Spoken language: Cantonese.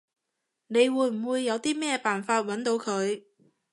你會唔會有啲咩辦法搵到佢？